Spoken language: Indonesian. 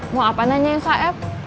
mau apa nanyain saeb